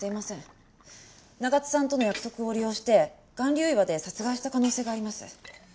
長津さんとの約束を利用して巌流岩で殺害した可能性があります。